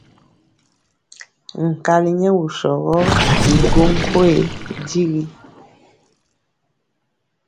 Nkali nyɛ wusɔ gɔ i go nkoye digi.